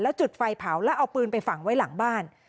จุดไฟเผาแล้วเอาปืนไปฝังไว้หลังบ้าน